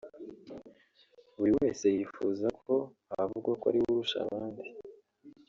buri wese yifuza ko havugwa ko ari we urusha abandi